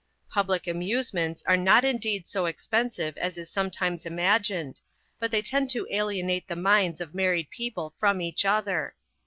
Public amusements are not indeed so expensive as is sometimes imagined, but they tend to alienate the minds of married people from each other.